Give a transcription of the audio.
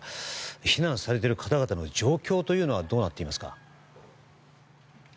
避難されている方々の状況はどうなっていますか。